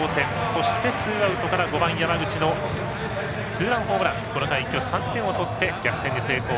そしてツーアウトから５番、山口のツーランホームランでこの回一挙３点を取って勝ち越しに成功。